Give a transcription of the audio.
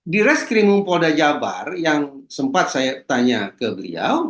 di reskrimum polda jabar yang sempat saya tanya ke beliau